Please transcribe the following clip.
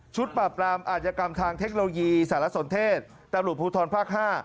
ชุดปราบรามอาจกรรมทางเทคโนโลยีสารสนเทศภูทรภาค๕